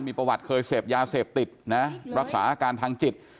มีประวัติเคยเสพยาเสพติดนะรักษาอาการทางจิต